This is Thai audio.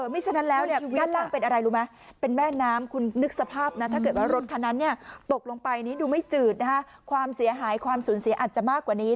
ไม่ฉะนั้นแล้วเนี่ยด้านล่างเป็นอะไรรู้ไหม